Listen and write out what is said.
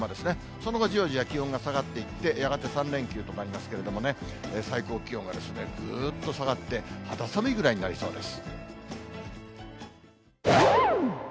その後、じわじわ気温が下がっていって、やがて３連休となりますけれどもね、最高気温がぐーっと下がって、肌寒いぐらいになりそうです。